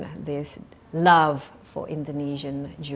cinta untuk juri indonesia